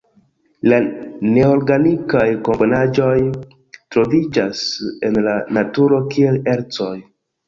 La neorganikaj komponaĵoj troviĝas en la naturo kiel ercoj.